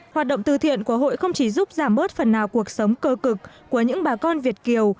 hoạt động từ thiện của hội không chỉ giúp giảm bớt phần nào cuộc sống cơ cực của những bà con việt kiều